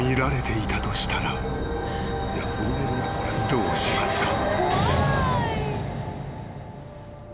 ［どうしますか？］